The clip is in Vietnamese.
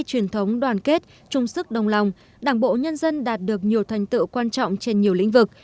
truyền thống đoàn kết trung sức đồng lòng đảng bộ nhân dân đạt được nhiều thành tựu quan trọng trên nhiều lĩnh vực